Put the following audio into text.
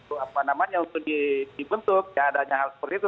apa namanya untuk dibentuk ya adanya hal seperti itu